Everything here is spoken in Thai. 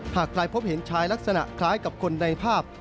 หากใครพบเห็นชายลักษณะคล้ายกับคนในภาพ